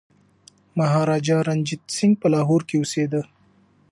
مهاراجا رنجیت سنګ په لاهور کي اوسېده.